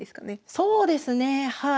そうですねはい。